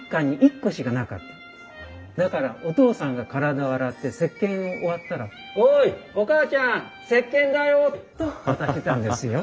だからおとうさんが体を洗ってせっけんを終わったら「おい！おかあちゃんせっけんだよ！」と渡してたんですよ。